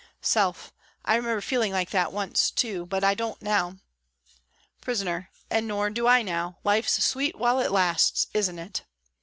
Self :" I remember feeling like that too, once, but I don't now." Prisoner :" And nor do I now, life's sweet while it lasts, isn't it